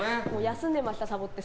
休んでました、サボって。